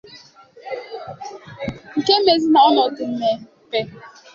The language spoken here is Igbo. nke mezịrị na ọnọdụ mmepe